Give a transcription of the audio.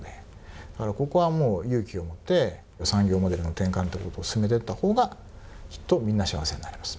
だからここはもう勇気を持って産業モデルの転換ってことを進めていったほうがきっとみんな幸せになれます。